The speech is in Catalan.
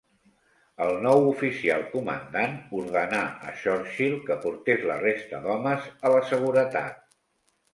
El nou oficial comandant ordenà a Churchill que portés la resta d'homes a la seguretat.